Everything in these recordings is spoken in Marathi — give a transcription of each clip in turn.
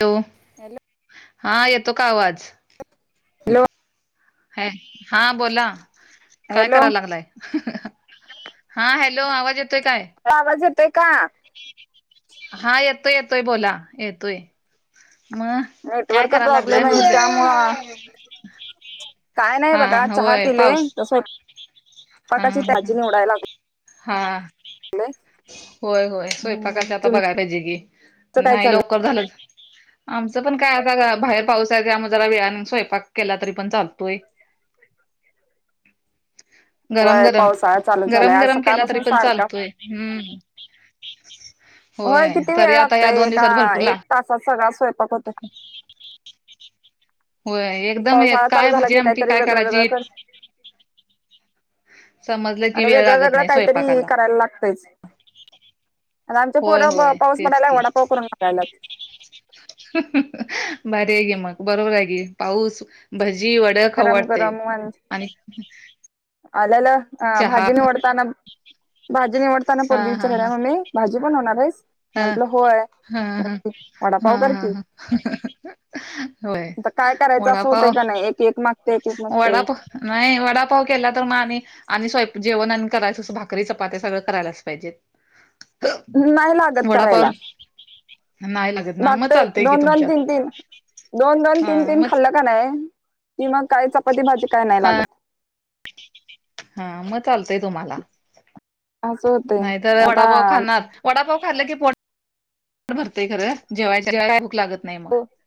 तो एल हा येतो का आवाज? हॅलो ह हा बोला काय हॅलो करा लागलाय. हा हॅलो आवाज येतोय काय? आवाज येतय का? हा येतोय येतोय बोला येतोय मग. काय नेटवर्क करायला लागलाय प्रॉब्लेम आहे म्हटलं त्यामुळं काय नाही बघा हा चहा होय पिलोय पाऊस हा तसपाकाची हा तजी निवडायला लागत. हा नाही होय होय स्वयंपाकाचे आता बघाला पाहिजे की काय नाही चाललंय लवकर झालं. आमचं पण काय आता बाहेर पावसाचे आम्हा जरा वेळाने स्वयंपाक केला तरी पण चालतोय. [unintelligible] होय गरम पावसाळा चालू झालाय गरम आज गरम केला तरी सकाळपासून पण सारखा चालतोय हम्म हो होय किती तरी वेळ आता या लागतोय ए दोन का दिवसात भरपूर ला एक तासात सगळ स्वयंपाक होत. होय एकदम पावसाळा चालू काय झाला भाजी की आमटी काहीतरी काय वेगळं वेगळं करायची कर. समजलं की आणि वेळ वेगळं लागत वेगळं नाही काहीतरी स्वयंपाकाला करायला लागतंयच. आणि आमच्या होय पोरा होय पाऊस तेच पडायला की वडापाव करून लागायला. भारी आहे गे मग बरोबर आहे गे पाऊस. भजी वड खवडते आणि आल्याला अ चहा भाजी निवडताना भाजी निवडताना हा पोरगी हा हा विचारायला मम्मी भाजी बण होणार भईस हा म्हंटलं होय. हा म्हणती हा वडापाव कर हा की ह होय वडापाव केक मागतेय केक मागतेय वडापाव नाही वडापावक एला त माांन. आणि स्वयं जेवण आणि करायचं असं भाकरी चपात्या सगळं करायलाच पाहिजेत. लागत वडापाव करायला. नाही लागत ना मग चालतय की दोन दन तुमच्यात तीन तीन दोन दन हा तीन तीन मग खाल्ला. का नाही कि मग काही चपाती भाजी काय नाही हा लागत हा मग चालतेय तुम्हाला असं होतंय नाही तर आता वडापाव खाणार वडापाव खाल्लं की पोट भरतेय खरं जेवाच्या काही भुक लागत नाही मग नाहीच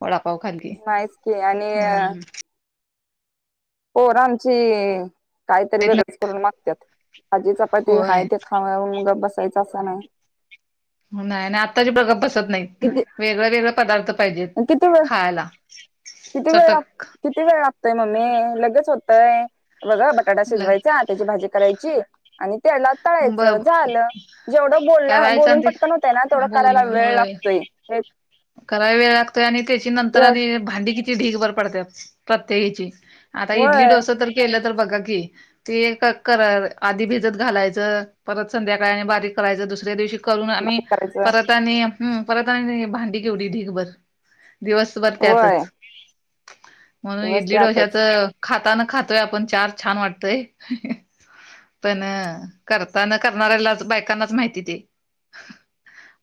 वडापाव खाते की की आणि हम्म पोर आमची काहीतरी वेगळेच करून मागतात भाजी चपाती प ते होय हाय ते खावा मग गप बसायचं असा नाही नाही आणि आत्ताचे पोर बसत नाहीत किती वेगळे वेगळे पदार्थ पाहिजेत किती वेळ खायला किती वेळ ला चटक किती वेळ लागतोय मम्मी लगेच होतय बघा ब बटाटा लग शिजवायचा त्याची भाजी करायची आणि त्याला ब तळायचं झालं जेवढं बोलण्या करायचं बोलून आणि ते पटकन होतय ना तेवढं करायला बोलून वेळ होय लागतो [unintelligible] [unintelligible] कराय वेळ लागतो आणि त्याची नंतर आणि भांडी किती ढीग भर पडत प्रत्येकीची आता इडली वय डोस तर केलं तर बघा की ते एकात करा आधी भिजत घालायचं परत संध्याकाळ आणि बारीक करायचं दुसऱ्या दिवशी करून आणि करायचं परत आणि परत भांडी केवढी ढीगभर दिवस दिवसभर वय त्यातच म्हणून दिवस इडली त्यातच डोश्याच खाताना खातोय आपण चार छान वाटतय पण करताना करणाऱ्यालाच बायकांनाच माहिती ते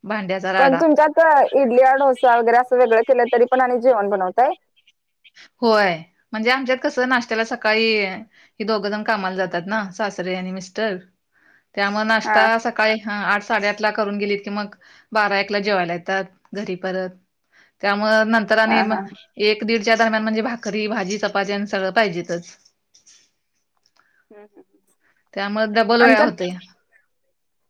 भांड्याचा पण राडा तुमच्यात इडली डोसा वगैरे असं वेगळं केलं तरी पण आणि जेवण बनवतय होय म्हणजे आमच्यात कसं नाश्त्याला सकाळी हे दोघं जण कामाला जातात ना सासरे आणि मिस्टर त्यामुळे हा नाश्ता काय हा आठ साडेआठ ला करून गेलीत की मग बारा एकला जेवायला येतात घरी परत त्यामुळे नंतर आणि हा हा एक दीडच्या दरम्यान म्हणजे भाकरी भाजी चपाात्या आणि सगळं पाहिजेतच हम् हम् त्यामुळे डबल वेळा होते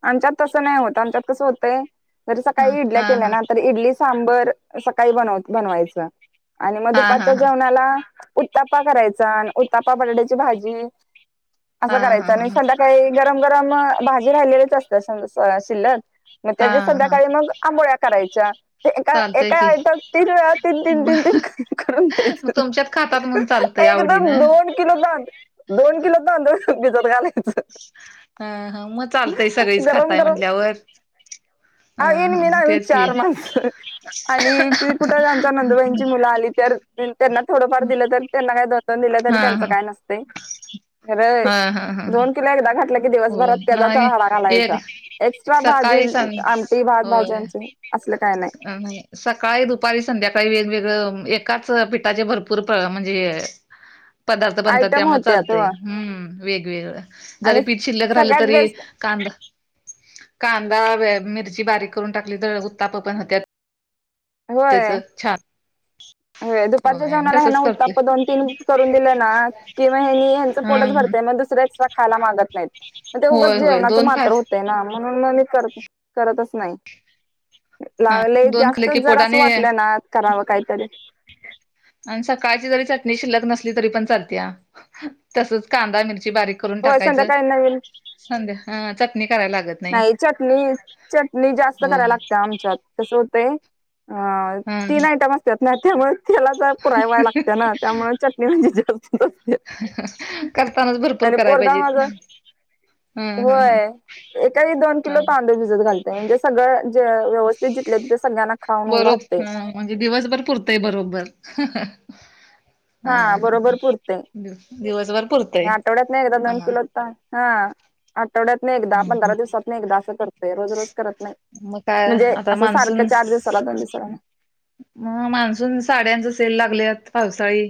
आमच्यात तसं नाही होत आमच्यात कसं होतय जरी हा सकाळी इडल्या हा केल्या हा ना तर इडली सांबर सकाळी बनवायचा आणि म हा हा दुपारच्या हा जेवणाला उत्ताप्पा करायचा उत्ताप्पा बटाट्याची भाजी हा असं करायचं हा आणि संध्याकाळी गरम गरम भाजी राहिलेलीच असत शिल्लक मग हा त्याच्या हा संध्याकाळी मग आंबोळ्या करायच्या एका चालतय एका की आयटम तीन वेळा तीन तीन तीन मग तीन करून द्यायच लय आवडी ना दोन किलो दोन किलो तांदूळ भिजत घालायचं हा ह मग चालतय सगळीच गरम खाताय गरम म्हटल्यावर अ तेच की [inaudible] आणि कि कुठं त्यांचा नंदुबाईंची मुलं आली तर त्यांना थोडंफार दिलं तरी त्यांना काय दोन, तीन दिलं हा तरी त्यांचं हा काय नसतंय. खर हा हा हा दोन किलो एकदा घातल होय दिवसभरात त्याचा नाही राडा घालायचा एक एक्स्ट्रा भाजी सकाळी सांग आमटी भात भाजी होय आमची असलं काय नाही. सकाळी, दुपारी, संध्याकाळी वेगवेगळ एकाच पिठाचे भरपूर म्हणजे ह पदार्थ बनतात आयटम त्यामुळे होत्यात हो चालतय. हम्म... वेगवेगळं जरी आणि पीठ शिल्लक राहिलं सगळ्यात तरी बेस्ट कांदा, कांदा, मिरची बारीक करून टाकली तर उत्ताप्पा पण होत्यात. त्याच होय छान दुपारच्या होय जेवणाला म्हणा तसच करते उत्तापा दोन, तीन करून दिले ना, की मेनी ह्यांचं हा पोटच भरतय मग दुसरे एक्स्ट्रा खायला मागत नाहीत मग ते उगच होय होय जेवणाचं दोन मात्र खास होतय. ना म्हणून मग मी कर करतच नाही हा लावले दोन खाल्ले जास्तच की जरा असं पोटाने वाटलं ना करावं काहीतरी, आणि सकाळची जरी चटणी शिल्लक नसली तरी पण चालत्या तसच कांदा, मिरची बारीक, करून होय टाकायच संध्याकाळी नवीन संध्या हा चटणी कराय लागत नाही चटणी, चटणी जास्त करायला होय लागते आमच्यात कसं होतंय? हा तीन ह आयटम असतात ना त्यामुळे त्याला पुराय व्हायला लागते ना त्यामुळे च मी म्हणजे [unintelligible] करतानाच भरपूर आणि कराय पोरगा पाहिजेत. माझा हम हम ह होय. एकावेळी दोन किलो तांदूळ भिजत घालते म्हणजे सगळं म्हणजे व्यवस्थित जिथल्या तिथे सगळ्यांना खाऊन बरोब राहते. हा म्हणजे दिवसभर पुरतंय बरोबर... हा ह बरोबर ह पुरतंय. दिवसभर पुरतंय. आठवड्यातनं एकदा हा दोन किलो ता हा आठवड्यातन एकदा, पंधरा दिवसातन एकदा, असं करतोय. रोज रोज करत नाही. मग काय म्हणजे आता असं सारखं मान्सून चार दिवसाला, दोन दिवसाला नाही. मग मान्सून साड्यांचा सेल लागल्यात पावसाळी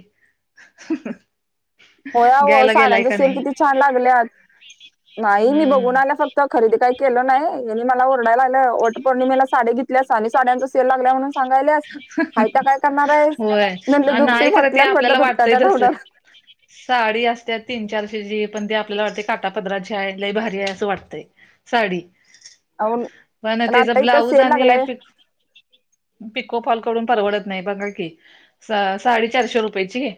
होय अहो घ्यायला गेलाय साड्यांचा का सेल नाही? किती छान लागल्यात. नाही. मी बघून हम्म आल्या फक्त खरदी काही केली नाही. ह्यांनी मला ओरडायला लागलं. वटपौर्णिमेला साडी घेतल्यास आणि साड्यांचा सेल लागलाय म्हणून सांगायल्यास. हाय त्या काय करणार आहेस? होय म्हटलं दुपटी नाही खरं ते फाटल्यात आपल्याला म्हटलं वाटतय दुपटाटा तसं लावणार साडी असत्या तीन-चारशे ची पण ती आपल्याला वाटते काटा पदराची आहे. लई भारी आहे. असं वाटतंय. साडी अन पण त्याच आता इथं ब्लाऊज सेल आणि लागलाय पिको फॉल करून परवडत नाही. बघा की, साडी चारशे रुपयेची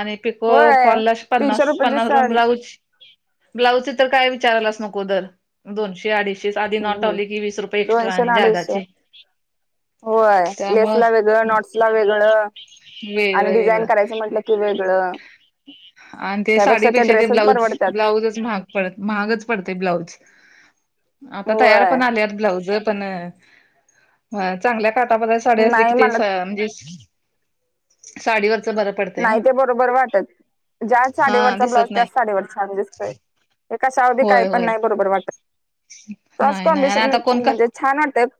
आणि पिको होय फॉलला तीनशे पन्नास रुपयाची पन्नास रुपये आणि साडी ब्लाऊज ब्लाऊजच तर काय विचारालाच नको दर दोनशे, अडीचशे आधी नॉट हम्म लावली की वीस रुपये एक्ट्रा दोनशे आणि न अडीचशे ज्यादाचे होय लेस ला वेगळं, नोट्स ला वेगळं, आणि वेगळं डिझाईन वेगळं करायचं म्हंटलं की वेगळं आणि ते त्यापेक्षा साडीपेक्षा ते ड्रेसेस ब्लाऊज परवडतात ब्लाउजच महाग महागच पडते ब्लाउज. आता तयार होय पण आल्यात. ब्लाऊज पण चांगल्या काटपदराच्या साडी असली की नाही मला म्हणजे साडीवर बर नाही ते बरोबर वाटत. ज्या हा साडीवरचा ब्लाउज दिसत नाही त्याच साडीवर छान दिसतोय. कशावरबी काही होय पण होय नाही बरोबर वाटत. क्रॉस नाही नाही आणि आता कॉम्बिनेशन कोण का म्हणजे छान वाटतात.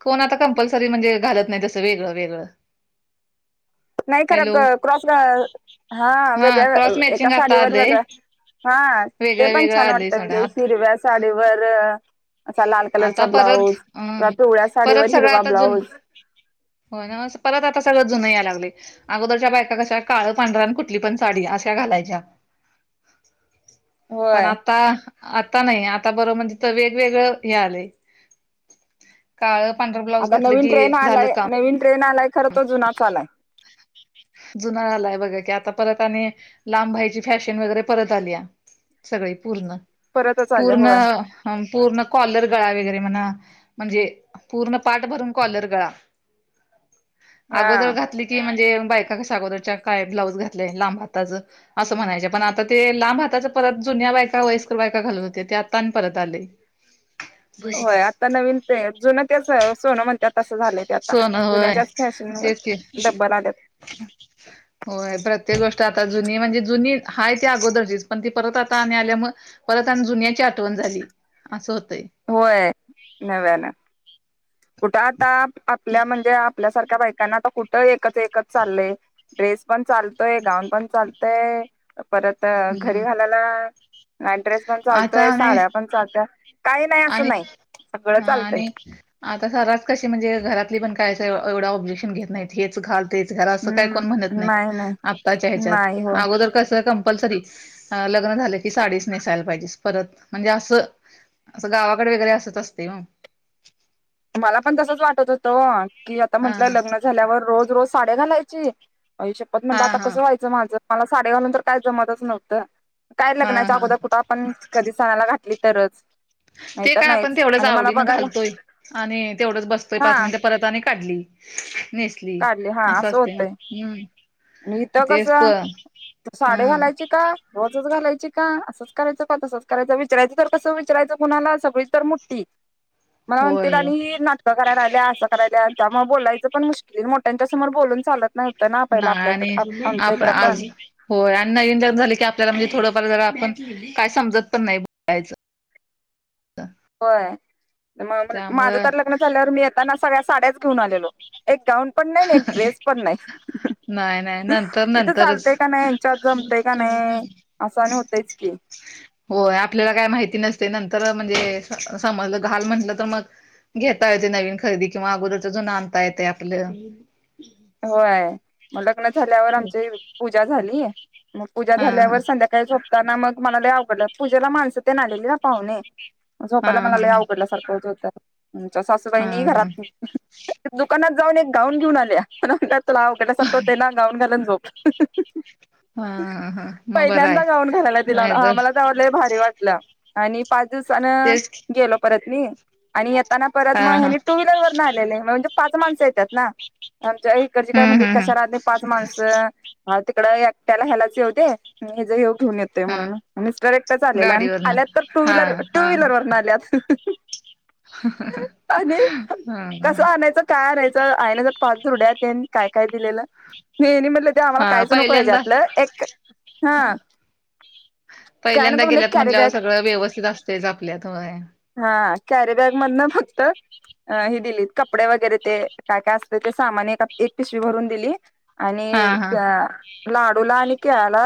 कोण आता कंपल्सरी म्हणजे घालत नाही. तसं वेगळं वेगळं. नाही खरं हॅलो क्रॉस हा वेगळ्या क्रॉस एका मॅचिंग आता साडीवर आलंय वेगळ्या हा ते वेगळं पण वेगळं छान आलंय वाटत म्हणजे सोडा हिरव्या साडीवर, लाल आता कलरचा परत ब्लाऊज अ किंवा पिवळ्या परत साडीवर सगळं हिरवा आता जुन ब्लाऊज. हो ना परत आता सगळं जुन यायला लागलंय. अगोदरच्या बायका कशा काळ पांढऱ्यान कुठली पण साडी अशा घालायच्या. पण होय आता... आता नाही. आता बरोबर म्हणजे वेगळं हे आलंय काळं पांढर ब्लाऊंज आता घातलं नवीन की ट्रेन झालं आलाय कामं नवीन ट्रेंड आलांय खरं तो जुनाच [unintelligible] आलाय जुन्या आलांय बघां की आतां परंत आणि लांबबाहीची फॅशन वगैरें परंत आली आहे. सगळें पूर्ण परतच आलाय पूर्ण होय पूर्ण कॉलर गळां वगैरें म्हणां म्हणजे पूर्ण पाठं भरूंन कॉलर गळां हा अगोदरं घातली की म्हणजे बायको आतां कसं अगोदरच्यां कायं ब्लाऊज घातलेय लांब हाताचं असं म्हणायचे पणं आतां ते लांब हाताचं परंत जुन्यां बायकां वयस्कंर बायकां घालतं होत्यां ते आतां आणि परतं आलंय. [unintelligible] होयं आतां नवीन ते जुनं तेचं सोनं म्हणतायं तसं झालंय ते आतां सोनं होय जुन्यांच्याचं फॅशन तेच की डब्बलं आल्यांत. [unintelligible] होयं प्रत्येक गोष्टं आतां जुनी म्हणजे जुनी आहेय ती अगोदरचीच पणं ती परतं आतां आणि आल्यां मंग परंत आणि जुन्यांची आठवणं झाली असं होतंय होयं नव्यानं कुठे आतां आपल्यां म्हणजे आपल्यांसारख्यां बायकांना आतां कुठं तरं एकचं एकचं चाललंय ड्रेस पणं चालतोय गाऊंन पणं चालतंय परंत घरी हम्म घालायलां ड्रेस पणं आता चालतोय आणि साड्यां पणं चालत्यां कांहीं नाहीं असं नाहीं सगळं चालतंय आतां घरांत कशी म्हणजे घरांतली पणं कायं असं एवढं ऑब्जेक्शंन घेतं नाहीतं हेंच घालं म्हणतं हम्म नाहीं नाही नाही आताच्यां ह्यांच्यात नाही हो आगोदर कसं कम्पलसरी लग्नं झालं की साडीच नेसायंला पाहिजे परंत म्हणजे असं असं गावांकडे वगैरें असतं असतें मंग मलां पणं तसंच वाटतं होतं की आतां हा म्हटलंय लग्नं झाल्यांवर रोज रोज साड्यां घालांयची आई शप्पथ हा म्हंनल आतां हा कसं व्हायचं माझं मलां साड्यां घालायचं नंतर कायं जमतंच नव्हतं कायं हा हा लग्नांच्या हा आगोदर कुठं पणं कधीं सनांला घातली तरचं ते कायं आपणं तेवढंच आवडीनं घालतोय आणि तेवढंच बसतोय हा पांच मिनिटं परंत आणि काढली नेसली काढली हा असं असतें नां होतंय हम्मं इथं कसं सांडी हम्म घालायंची कां रोजचं घालायंची कां असंच करायचं कां तसंच करायचं विचाररायचं तरं कसं विचाररायचं कुणांला सगळीचं तरं मुठठी ह [unintelligible] मलां म्हणतीलं आणि हं नाटकं करायंला आल्यां असं करायंला आणि त्यामुळें बोलायचं पणं मुश्कीलं मोठ्यांच्या समोर बोलूंन चालतं नव्हतं पहिलं आपल्यांकडे आमच्यां इकडं पणं होयं आणि नवीन लग्नं झाले की आपल्यांला म्हणजे थोडंफार जरां आपणं कायं समजतं पणं नाहीं बोलायचं होयं मंग माझं त्यामुळं तरं लग्नं झाल्यांवर मी येतानां सगळ्यां साड्यांच घेऊन आलेलो एक गाऊंन पणं नाहीं एक ड्रेस पणं नाहीं नाहीं नाहीं नंतर नंतरचं का नाही यांच्यात जमतंय का नाही असं आणि होतयच की होयं आपल्यांला कायं माहिती नसते नंतर म्हणजे समजलं घालं म्हटलं तरं मंग घेतां येतं नवीन खरेदी किंवा अगोदरचं जूंन आणंता येते आपलं होयं मंग लग्नं झाल्यांवर आमची पूजां झाली मंग पूजां हा हा झाल्यांवर संध्याकांळी झोपतांना मंग मलां अवघडलं पूजेला माणसं ते नां आलेली नां पाहुणे हा झोपायंला मलां हा अवघडल्या सारखं होतं होतं आमच्यां हा सासूबाईनी हा घरांत दुकानांत जाऊंन एक गाऊंन घेऊंन आल्यां तुलां अघल्यांसारखं होते नां गाऊंन घालून झोप हा हा मग बरं आहे पहिल्यांदा गाऊंन घालायंला दिलां नाही तर मलां त्यां लई भारी वाटलं आणि पांच तेच की दिवसांनी गेलो परंत मी आणि येतानां परंत हा मंग हा हेने टूं व्हीलर वरं न आलेले म्हणजे पांच माणसं येतांत नां आमच्यां इकडंची कायं हम्म म्हणली हम्म हम्म कशालां ते पांच माणसं हा तिकडं एकट्याला हेलाच येऊदे, हेचयो घेऊन येतो. हा म्हणून मिस्टर एकटच आलेला आणि, गाडीवरन आल्यात तर टू हा व्हीलर टू हा व्हीलर वरन आल्यात. आणि हा कसं हा आणायचं. काय कराहायचं आईने जर, पाच दुरड्या तेन काय काय दिलेलं‌. हेनी म्हटलं ते आम्हाला हा काहीच नको पहिल्यांदा हेच्यातलं, एक हं. पहिल्यांदा गेल्यात म्हटल्यावर सगळं व्यवस्थित असतंच आपल्यात होय. हा कॅरीबॅग मधन फक्तं. अ -ही दिली कपडे वगैरे ते, काय काय असते ते, सामान एका, एक पिशवी भरून दिली. हा आणि हा त्या, लाडूला आणि केळाला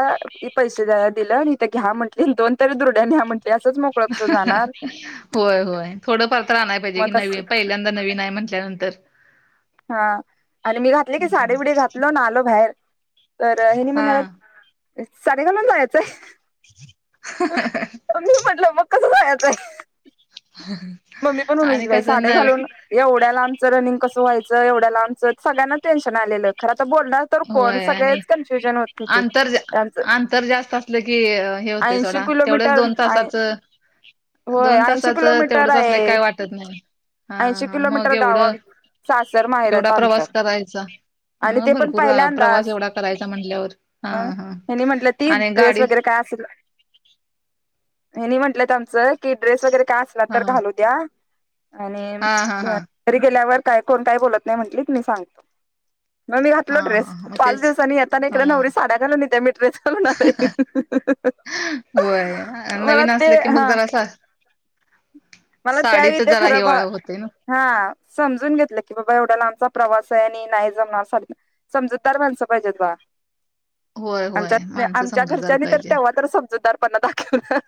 पैसे दिल. इथं घ्या म्हंटले दोन तरी दुर्ड्यांनी न्या म्हटली. असंच मोकळं कसं जाणार. होय होय, थोडं फार तर आणायला पाहिजे मग की, तस नवी पहिल्यांदा नवीन आहे म्हंटल्यानंतर. हां. आणि मी घातले की साडेबडी घातलो ना, आलो बाहेर तर हेनि हा म्हणाल्यात. साडी घालून जायचांय. मी म्हटलं मग कसं जायचाय. मम्मी पण म्हणत आणि होती. बाई कसं न साड्या घालून, एवढ्याला लांबच रनिंग कसं व्हायचं, एवढ्या लांबच आमचं सगळ्यांना टेन्शन आलेलं, खर आता बोलणार कोण. तर होय. आणि सगळेच कन्फ्युजन होत होते. आंतर त्यांचं अंतर जास्त असलं की, हे होतंय ऐंशी सोडा, तेवढच किलोमीटर दोन तासाच. होय दोन ऐंशी तासाचं किलोमीटर तेवढंच असल आहे काय वाटत नाही. हा ऐंशी हा मग किलोमीटर गावा एवढं. सासर माहेरात एवढा प्रवास अंतर करायचा, आणि मग ते भर पण पूर प्रवास पहिल्यांदाच एवढा करायचा म्हटल्यावर, हा मग हा, ह्यांनी आणि गाडी. काय असलं. हेनी म्हंटलेत आमचं कि, ड्रेस वगैरे काय असला हा तर घालू द्या. आणि हा हा हा घरी गेल्यावर काय कोण काय बोलत नाही, म्हंटलीत मी सांगतो. [unintelligible] मग मी घातलो हा ड्रेस. मग पाच तेच दिवसांनी येताना हा इकडे नवरी साड्या घालून येत्या, मी ड्रेस घालून आलोय. होय. मला नवीन ते असल की मग हा जरा असं. मला त्यावेळी साडीत ते जरा खरं हे, भा होतंय नवं. हा समजून घेतलं की, बाबा एवढ्या लांबचा प्रवास आहे. आणि नाही जमणार साडीत. समजूतदार माणसं पाहिजेत बगा. होय होय आमच्यात माणसं आमच्या समजूदार घरच्यांनी तर, पाहिजे. तेव्हा तर समजूतदारपणा दाखविला.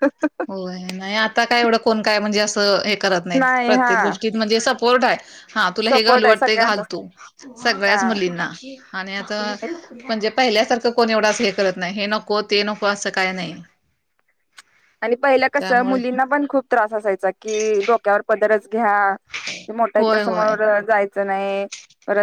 होय, नाही आता काय एवढं कोण काय म्हणजे, असं हे करत नाहीत नाही हा प्रत्येक गोष्टीत. म्हणजे सपोर्ट आहे. हा तुला हे सपोर्ट घालू आहे वाटतंय सगळ्यांचा घाल तू हा सगळ्याच मुलींना, आणि आता म्हणजे, पहिल्यासारखं कोण एवढ असं हे करत नाही. हे नको ते नको असं काय नाही. आणि पहिला कसं त्यामुळे मुलींना पण खूप त्रास असायचा, की डोक्यावर पदरच घ्या. ते मोठ्यांच्या होय होय समोर जायचं नाही. परत